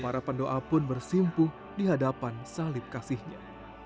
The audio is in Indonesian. para pendoa pun bersimpung di hadapan salib kasihnya